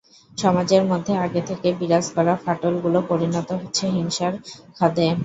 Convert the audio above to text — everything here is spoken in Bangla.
সমাজের মধ্যে আগে থেকে বিরাজ করা ফাটলগুলো পরিণত হচ্ছে হিংসার খাদে।